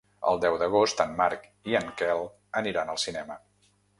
El deu d'agost en Marc i en Quel aniran al cinema.